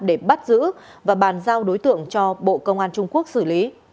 để bắt giữ và bàn giao đối tượng cho bộ công an trung quốc xử lý